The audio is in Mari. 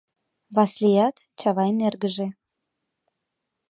Васлият — Чавайын эргыже.